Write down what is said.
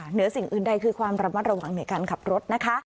เหนือสิ่งอื่นใดคือความระมัดระวังในการขับรถนะคะ